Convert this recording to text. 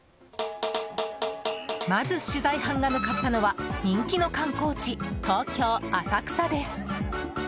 まず、取材班が向かったのは人気の観光地、東京・浅草です。